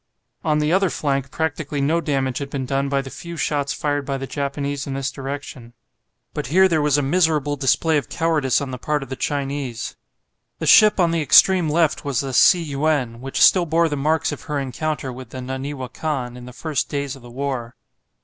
On the other flank practically no damage had been done by the few shots fired by the Japanese in this direction. But here there was a miserable display of cowardice on the part of the Chinese. The ship on the extreme left was the "Tsi yuen," which still bore the marks of her encounter with the "Naniwa Kan," in the first days of the war.